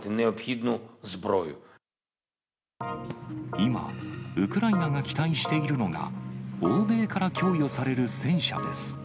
今、ウクライナが期待しているのが、欧米から供与される戦車です。